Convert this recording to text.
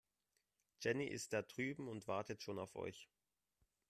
Jenny ist da drüben und wartet schon auf euch.